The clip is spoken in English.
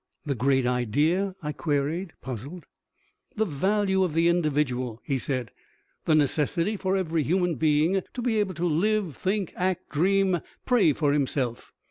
"The Great Idea?" I queried, puzzled. "The value of the individual," he said. "The necessity for every human being to be able to live, think, act, dream, pray for himself.